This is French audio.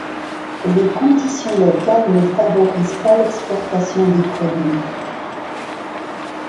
Les conditions locales ne favorisent pas l'exportation des produits.